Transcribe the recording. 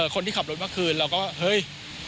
คนที่ขับรถเมื่อคืนเราก็เฮ้ย